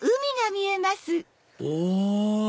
お！